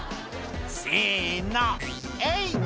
「せのえい！」